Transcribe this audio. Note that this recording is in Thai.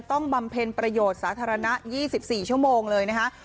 บำเพ็ญประโยชน์สาธารณะ๒๔ชั่วโมงเลยนะคะ